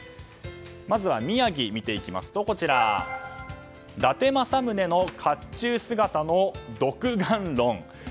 まずは宮城、見ていきますと伊達政宗の甲冑姿のドクガンロン。